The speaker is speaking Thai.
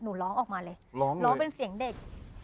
ร้องออกมาเลยร้องเป็นเสียงเด็ก